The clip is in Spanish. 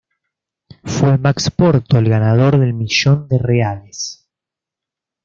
Fue Max Porto el ganador del millón de reales.